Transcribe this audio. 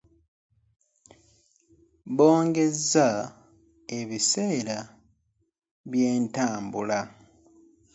Bongeza ebisale bye ntambula.